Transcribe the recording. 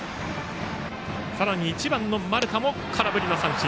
さらに１番の丸田も空振りの三振。